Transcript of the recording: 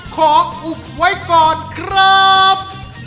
ขออุบไว้ก่อนครับ